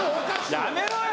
やめろよ！